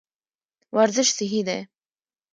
ورزش صحي دی.